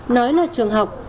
nói là trường học